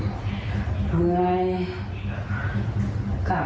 สังดานจิตใจไหม